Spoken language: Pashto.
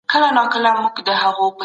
خپل کور په ګلانو ښکلی کړئ.